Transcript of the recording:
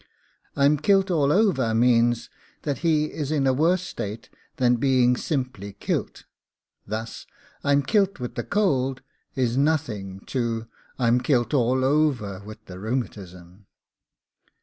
'I'm kilt all over' means that he is in a worse state than being simply 'kilt.' Thus, 'I'm kilt with the cold,' is nothing to 'I'm kilt all over with the rheumatism.